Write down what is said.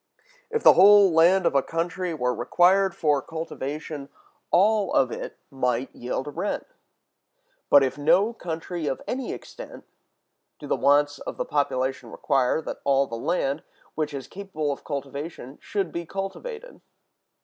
If the whole land of a country were required for cultivation, all of it might yield a rent. But in no country of any extent do the wants of the population require that all the land, which is capable of cultivation, should be cultivated.